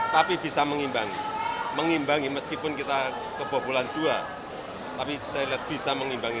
tapi bisa mengimbangi mengimbangi meskipun kita kebobolan dua tapi saya lihat bisa mengimbangi